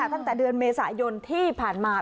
ตั้งแต่เดือนเมษายนที่ผ่านมา